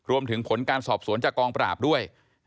รวมถึงผลการสอบสวนจากกองปราบด้วย